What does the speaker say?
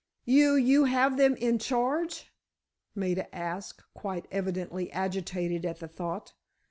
"You—you have them in charge?" Maida asked, quite evidently agitated at the thought.